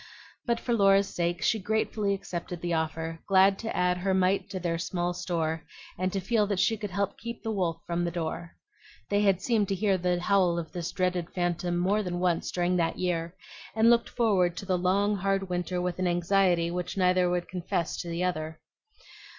But for Laura's sake she gratefully accepted the offer, glad to add her mite to their small store, and to feel that she could help keep the wolf from the door. They had seemed to hear the howl of this dreaded phantom more than once during that year, and looked forward to the long hard winter with an anxiety which neither would confess to the other.